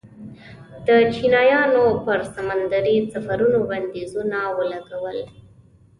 د چینایانو پر سمندري سفرونو بندیزونه ولګول.